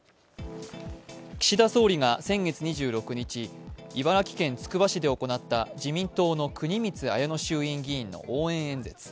岸田総理が先月２６日、茨城県つくば市で行った自民党の国光文乃衆議院議員の応援演説。